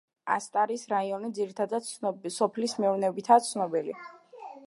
ასტარის რაიონი ძირითადად სოფლის მეურნეობითაა ცნობილი.